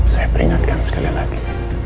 saya peringatkan sekali lagi